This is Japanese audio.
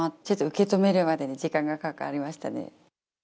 ちょっと受け止めるまでに時間がかかりましたね。